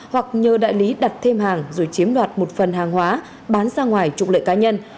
hoặc nhờ đại lý đặt thêm hàng rồi chiếm đoạt một phần hàng hóa bán ra ngoài trục lợi cá nhân